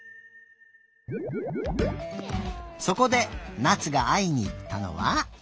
そこでなつがあいにいったのは。